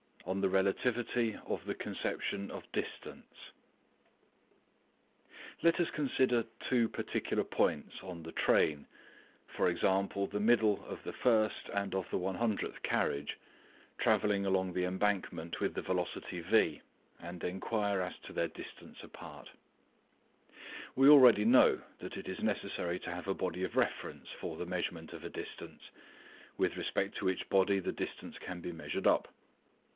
ON THE RELATIVITY OF THE CONCEPTION OF DISTANCE Let us consider two particular points on the train * travelling along the embankment with the velocity v, and inquire as to their distance apart. We already know that it is necessary to have a body of reference for the measurement of a distance, with respect to which body the distance can be measured up.